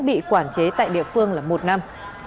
bị quản chế tại địa phương là một năm